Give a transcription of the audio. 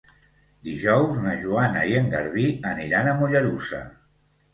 Dijous na Joana i en Garbí aniran a Mollerussa.